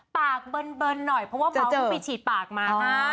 ปากเบินหน่อยเพราะว่าเมล์ร์เขาไปฉีดปากมา